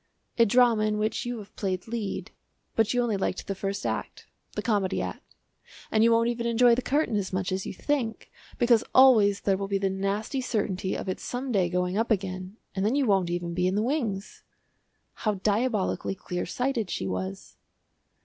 "A drama in which you have played lead. But you only liked the first act the Comedy Act, and you won't even enjoy the curtain as much as you think, because always there will be the nasty certainty of its some day going up again, and then you won't even be in the wings." How diabolically clear sighted she was!